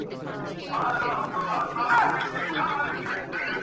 তিনি পদার্থবিজ্ঞান প্রতিষ্ঠানে আগস্ট কুন্ডের সহকারী ছিলেন।